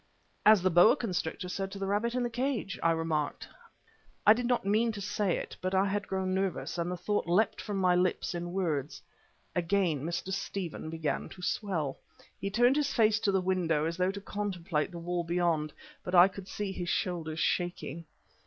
"As the boa constrictor said to the rabbit in the cage," I remarked. I did not mean to say it, but I had grown nervous, and the thought leapt from my lips in words. Again Mr. Stephen began to swell. He turned his face to the window as though to contemplate the wall beyond, but I could see his shoulders shaking.